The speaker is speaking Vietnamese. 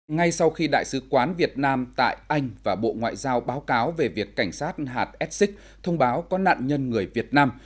ngay sau khi đại sứ quán việt nam tại anh và bộ ngoại giao báo cáo về việc cảnh sát hạt essex thông báo có nạn nhân người việt nam